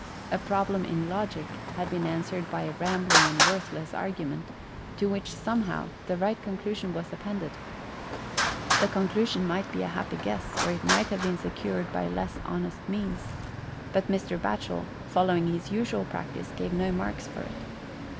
A problem in logic had been answered by a rambling and worthless argument, to which, somehow, the right conclusion was appended : the conclusion might be a happy guess, or it might have been secured by less honest means, but Mr. Batchel, following his usual practice, gave no marks for it.